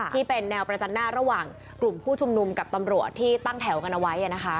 ที่เป็นแนวประจันหน้าระหว่างกลุ่มผู้ชุมนุมกับตำรวจที่ตั้งแถวกันเอาไว้